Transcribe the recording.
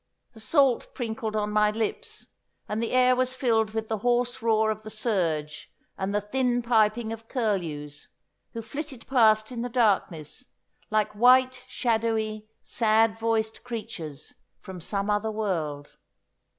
The salt prinkled on my lips, and the air was filled with the hoarse roar of the surge and the thin piping of curlews, who flitted past in the darkness like white, shadowy, sad voiced creatures from some other world.